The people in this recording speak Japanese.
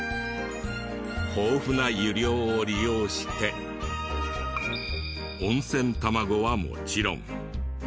豊富な湯量を利用して温泉たまごはもちろん。